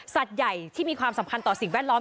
สัตว์ใหญ่ที่มีความสำคัญต่อสิ่งแวดล้อม